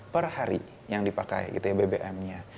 per hari yang dipakai bbm nya